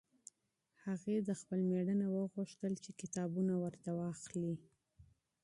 هغې ه خپل مېړه وغوښتل چې کتابونه ورته واخلي.